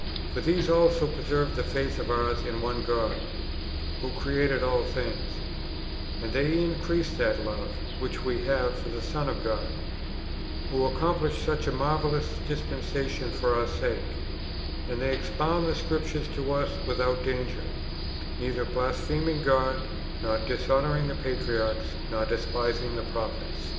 For these also preserve this faith of ours in one God who created all things ; and they increase that love [which we have] for the Son of God, who accomplished such marvellous dispensa tions for our sake : and they expound the Scriptures to us without danger, neither blaspheming God, nor dishonouring the patriarchs, nor despising the propliets.